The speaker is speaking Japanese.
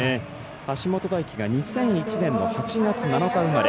橋本大輝が２００１年の８月７日生まれ。